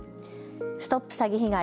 ＳＴＯＰ詐欺被害！